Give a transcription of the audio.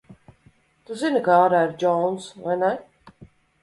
Tu zini, ka ārā ir Džounss, vai ne?